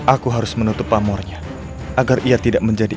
aku harus menutup pamornya agar ia tidak menjadi